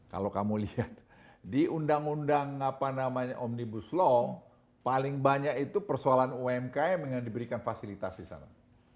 kalau kamu lihat di undang undang omnibus law paling banyak itu persoalan umkm yang diberikan fasilitas di sana